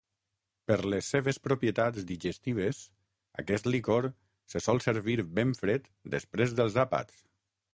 Per les seves propietats digestives, aquest licor se sol servir ben fred després dels àpats.